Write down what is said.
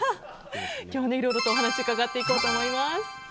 今日はいろいろお話伺っていこうと思います。